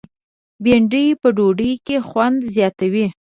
بېنډۍ په ډوډۍ کې خوند زیاتوي